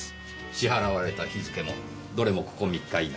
支払われた日付もどれもここ３日以内。